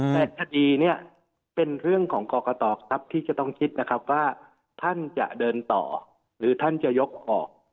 แต่คดีเนี่ยเป็นเรื่องของกรกตครับที่จะต้องคิดนะครับว่าท่านจะเดินต่อหรือท่านจะยกออก